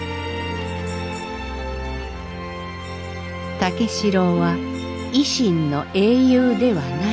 武四郎は維新の英雄ではない。